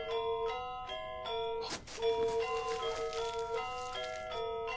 あっ。